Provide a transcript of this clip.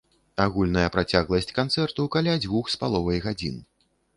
Агульная працягласць канцэрту каля дзвюх з паловай гадзін.